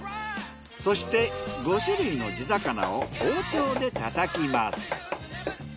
そして５種類の地魚を包丁で叩きます。